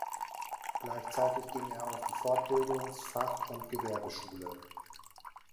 Gleichzeitig ging er auf die Fortbildungs-, Fach- und Gewerbeschule.